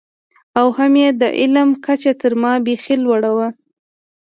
او هم یې د علم کچه تر ما بېخي لوړه وه.